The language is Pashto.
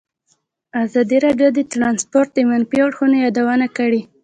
ازادي راډیو د ترانسپورټ د منفي اړخونو یادونه کړې.